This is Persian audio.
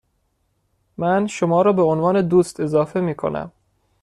من شما را به عنوان دوست اضافه می کنم.